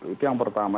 itu yang pertama